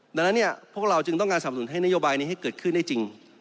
ดังนั้นพวกเราจึงต้องการสับหนุนให้นโยบายนี้ให้เกิดขึ้นได้จริง